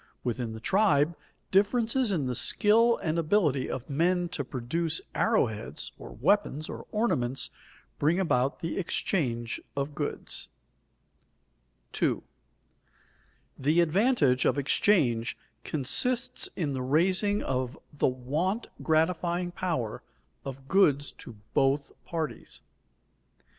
Within the tribe, differences in the skill and ability of men to produce arrow heads or weapons or ornaments, bring about the exchange of goods. [Sidenote: Mutual advantage in exchange] 2. _The advantage of exchange consists in the raising of the want gratifying power of goods to both parties.